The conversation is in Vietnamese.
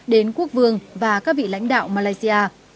đến quốc vương và các vị lãnh đạo malaysia